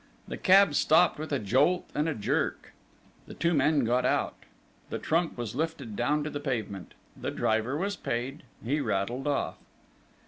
The cab stopped with a jolt and a jerk. The two men got out. The trunk was lifted down to the pavement. The driver was paid. He rattled off.